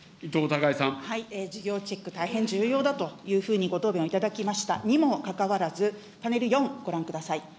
事業チェック、大変重要だというふうにご答弁をいただきましたにもかかわらず、パネル４、ご覧ください。